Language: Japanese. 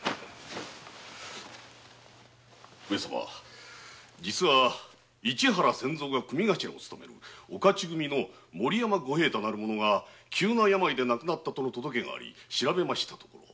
上様市原千蔵が組頭を勤めるお徒組の森山五平太なる者が急な病で亡くなったとの届けがあり調べたところ